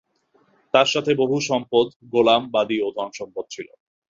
তাঁর সাথে বহু পশু সম্পদ, গোলাম, বাদী ও ধন-সম্পদ ছিল।